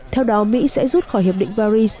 theo đó mỹ sẽ rút khỏi hiệp định paris